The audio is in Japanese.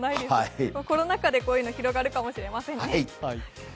コロナ禍でこういうのは広がるかもしれませんね。